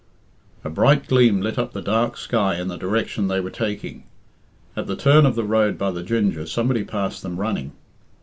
A bright gleam lit up the dark sky in the direction they were taking. At the turn of the road by the "Ginger," somebody passed them running.